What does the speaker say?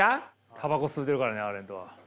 タバコ吸うてるからねアーレントは。